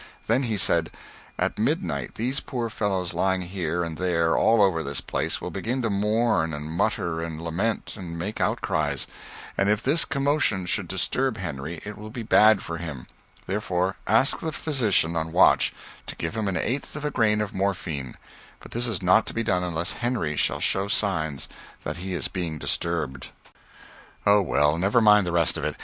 Then he said, "At midnight these poor fellows lying here and there all over this place will begin to mourn and mutter and lament and make outcries, and if this commotion should disturb Henry it will be bad for him; therefore ask the physician on watch to give him an eighth of a grain of morphine, but this is not to be done unless Henry shall show signs that he is being disturbed." Oh well, never mind the rest of it.